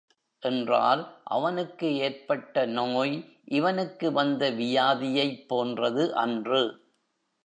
என்றால், அவனுக்கு ஏற்பட்ட நோய் இவனுக்கு வந்த வியாதியைப் போன்றது அன்று.